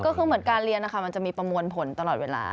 ก็คือเหมือนการเรียนนะคะมันจะมีประมวลผลตลอดเวลา